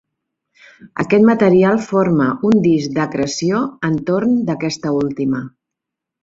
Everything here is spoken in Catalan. Aquest material forma un disc d'acreció entorn d'aquesta última.